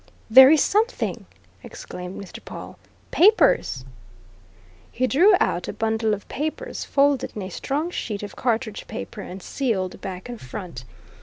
"There is something!" exclaimed Mr. Pawle. "Papers!" He drew out a bundle of papers, folded in a strong sheet of cartridge paper and sealed back and front.